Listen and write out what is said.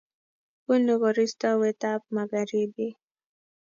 bunuu koristo wetab magharibi